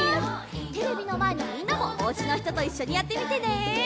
テレビのまえのみんなもおうちのひとといっしょにやってみてね！